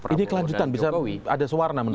ini kelanjutan bisa ada suara menurut anda